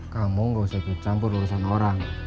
kamu gak usah ikut campur urusan orang